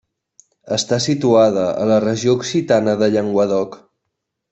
Està situada a la regió occitana de Llenguadoc.